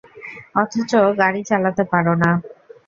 অথচ গাড়ি চালাতে পারো না!